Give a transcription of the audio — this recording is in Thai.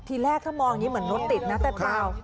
ทีแรกถ้ามองอย่างนี้เหมือนรถติดนะแต่เปล่า